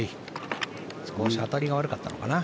少し当たりが悪かったのかな。